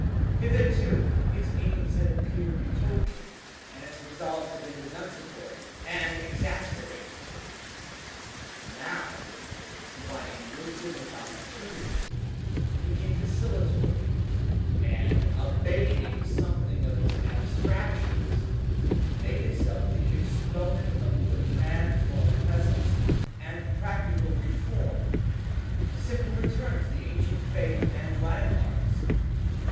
Hitherto its aims had appeared Utopian, and its resolves had been denunciatory and exasperating. Now, combining wisdom with opportunity, it became conciliatory, and, abating something of its abstractions, made itself the exponent of a demand for a present and practical reform a simple return to the ancient faith and landmarks.